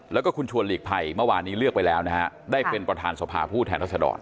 แล้วก็คุณชวนหลีกภัยเมื่อวานนี้เลือกไปแล้วนะฮะได้เป็นประธานสภาผู้แทนรัศดร